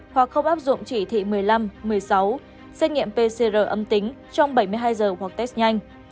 hoặc không áp dụng chỉ thị một mươi năm một mươi sáu xét nghiệm pcr âm tính trong bảy mươi hai giờ hoặc test nhanh